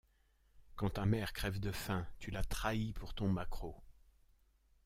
Quand ta mère crève de faim, tu la trahis pour ton maquereau!